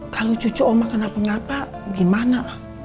kalau cucu oma kenapa ngapa gimana